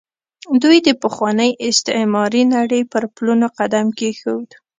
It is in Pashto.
دوی د پخوانۍ استعماري نړۍ پر پلونو قدم کېښود.